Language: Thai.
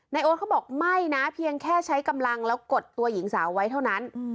โอ๊ตเขาบอกไม่นะเพียงแค่ใช้กำลังแล้วกดตัวหญิงสาวไว้เท่านั้น